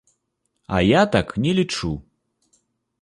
А я так не лічу.